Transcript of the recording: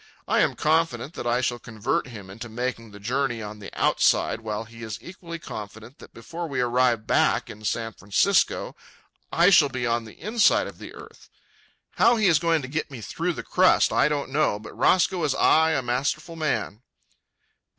I am confident that I shall convert him into making the journey on the outside, while he is equally confident that before we arrive back in San Francisco I shall be on the inside of the earth. How he is going to get me through the crust I don't know, but Roscoe is ay a masterful man.